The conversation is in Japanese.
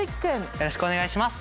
よろしくお願いします。